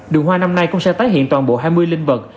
đường hoa năm nay cũng sẽ tái hiện toàn bộ hai mươi linh vật